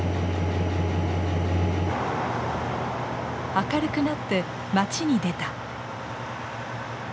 明るくなって町に出た。